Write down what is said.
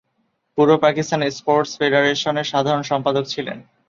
পূর্ব Pakistan sports ফেডারেশনের সাধারণ সম্পাদক ছিলেন।